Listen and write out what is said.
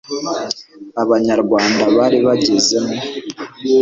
abanyarwanda bari bagezemwo